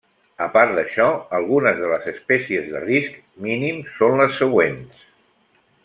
A part d'això, algunes de les espècies de risc mínim són les següents.